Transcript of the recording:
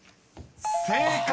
［正解！